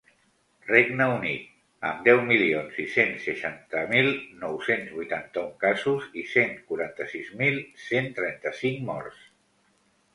Regne Unit, amb deu milions sis-cents seixanta mil nou-cents vuitanta-un casos i cent quaranta-sis mil cent trenta-cinc morts.